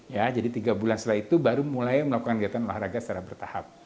ya jadi tiga bulan setelah itu baru mulai melakukan kegiatan olahraga secara bertahap